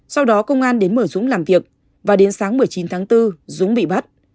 sau đó công an đến mở dũng làm việc và đến sáng một mươi chín tháng bốn dũng bị bắt